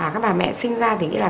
các bà mẹ sinh ra thì nghĩ là